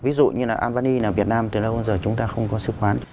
ví dụ như là albania là việt nam từ lâu đến giờ chúng ta không có sứ quán